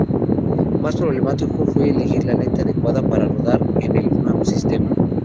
Más problemático fue elegir la lente adecuada para rodar en el nuevo sistema.